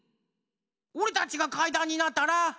⁉おれたちがかいだんになったら。